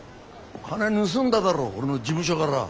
金盗んだだろ俺の事務所から。